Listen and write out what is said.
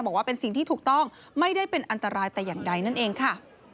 บอกว่าเป็นสิ่งที่ถูกต้องไม่ได้เป็นอันตรายแต่อย่างใดนั่นเองค่ะ